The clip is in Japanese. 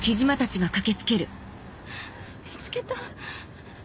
・見つけた。